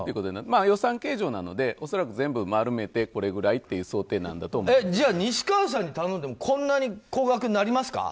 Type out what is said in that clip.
予算計上なので、恐らく全部丸めてこれぐらいというじゃあ、西川さんに頼んでもこんなに高額になりますか？